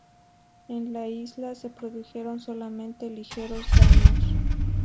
En la isla se produjeron solamente ligeros daños.